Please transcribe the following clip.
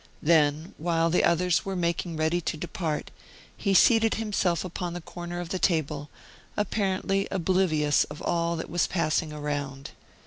Then, while the others were making ready to depart, he seated himself upon the corner of the table, apparently oblivious of all that was passing around.